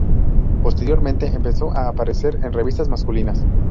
Posteriormente empezó a aparecer en revistas masculinas.